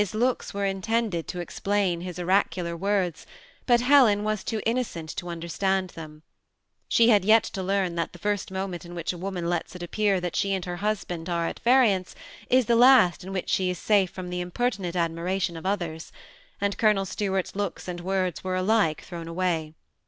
His looks w^e intended to explain his oracular words; but Helen was too innocent to understand them. She had yet to learn that the first moment in which a woman lets it appear that she and her husband are at variance, is the last in which she is safe from the impertinent admira tion of others ; and Colonel Stuart's looks and words were alike thrown away.